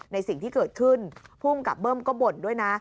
ในสิ่งที่เกิดขึ้นภูมิกับเบิ้มก็บ่นด้วยนะ